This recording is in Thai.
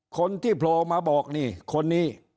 คนที่โผล่มาบอกนี่คนนี้